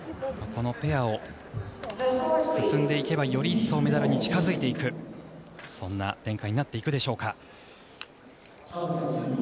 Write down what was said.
このペアを進んでいけばより一層メダルに近付いていくそんな展開になっていくでしょうか。